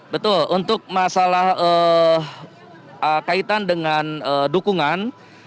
betul untuk masalah kaitan dengan dukungan